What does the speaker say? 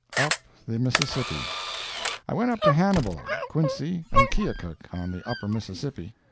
UP THE MISSISSIPPI I went up to Hannibal, Quincy and Keokuk, on the Upper Mississippi.